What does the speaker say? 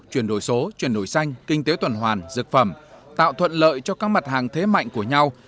chuyển đổi số chuyển đổi xanh kinh tế tuần hoàn dược phẩm tạo thuận lợi cho các mặt hàng thế mạnh của nhau